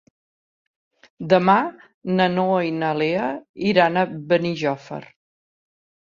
Demà na Noa i na Lea iran a Benijòfar.